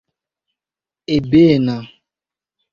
ebena